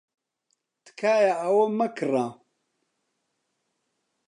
تکایە ئەوە مەکڕە.